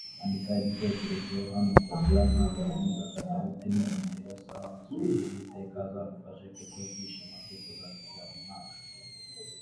Andika Igitekerezo Hanokasa nta gahunda katawuti ni umureyon sawa Masudi Uwiteka azamufashe kuko ibyishimo bye tuzabirya umwaka